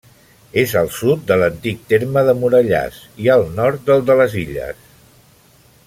És al sud de l'antic terme de Morellàs i al nord del de les Illes.